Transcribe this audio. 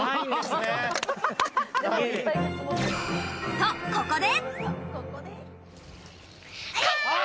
と、ここで。